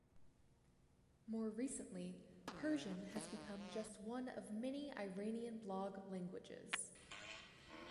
More recently, Persian has become just one of many Iranian blog languages.